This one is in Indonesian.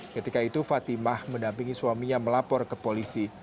ketika itu fatimah mendampingi suaminya melapor ke polisi